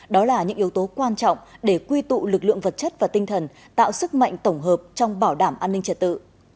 đó là những yếu tố quan trọng để quy tụ lực lượng vật chất và tinh thần tạo sức mạnh tổng hợp trong bảo đảm an ninh trật tự